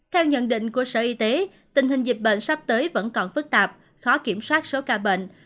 theo nhận định của sở y tế tình hình dịch bệnh sắp tới vẫn còn phức tạp khó kiểm soát số ca bệnh